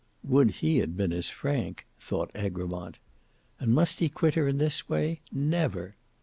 "Would he had been as frank!" thought Egremont. And must he quit her in this way. Never!